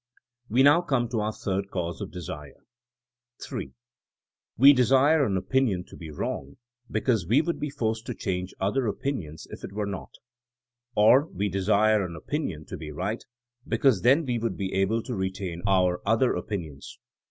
We now come to our third cause of desire : (3) We desire an opinion to be wrong be cause we would be forced to change other opin ions if it were not ; or we desire an opinion to be right because then we would be able to re tain our other opinions.